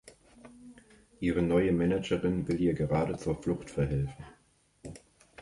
Ihre neue Managerin will ihr gerade zur Flucht verhelfen.